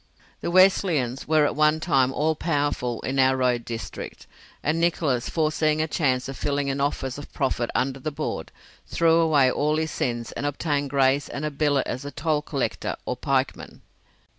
The Wesleyans were at one time all powerful in our road district, and Nicholas, foreseeing a chance of filling an office of profit under the Board, threw away all his sins, and obtained grace and a billet as toll collector or pikeman.